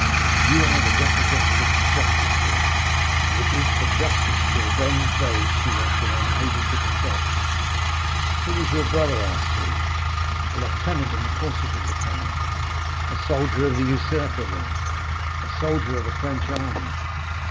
You are the representative of justice here, and it is for justice to avenge those she has been unable to protect.' "'Who was your brother?' asked he. "'A lieutenant in the Corsican battalion.' "'A soldier of the usurper, then?' "'A soldier of the French army.